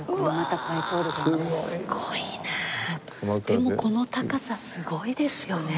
でもこの高さすごいですよね。